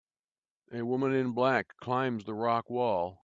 A woman in black climbs the rock wall.